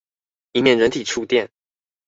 以免人體觸電